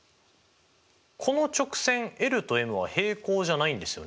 この直線ｌとｍは平行じゃないんですよね？